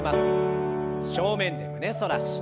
正面で胸反らし。